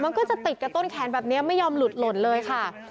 มันก็จะติดกับต้นแขนแบบนี้ไม่ยอมหลุดหล่นเลยค่ะ